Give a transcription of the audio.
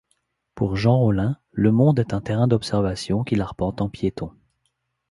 Pour Jean Rolin le monde est un terrain d'observation qu'il arpente en piéton.